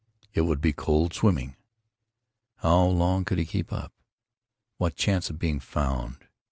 It would be cold, swimming. How long could he keep up? What chance of being found?